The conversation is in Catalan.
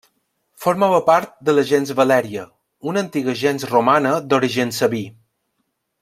Formava part de la gens Valèria, una antiga gens romana d'origen sabí.